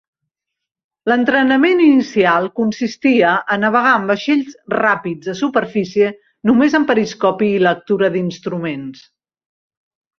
L'entrenament inicial consistia a navegar en vaixells ràpids de superfície només amb periscopi i lectura d'instruments.